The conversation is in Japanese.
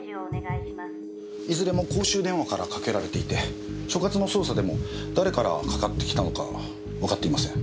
いずれも公衆電話からかけられていて所轄の捜査でも誰からかかってきたのかわかっていません。